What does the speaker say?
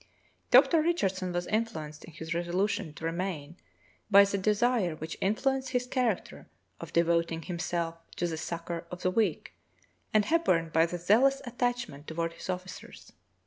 Dr. Richardson was influenced in his resolution to remain by the desire which influenced his character of devoting himself to the succor of the weak and Hepburn by the zealous attachment toward his officers."